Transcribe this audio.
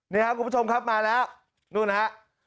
นี่ครับคุณผู้ชมครับมาแล้วนู่นฮะ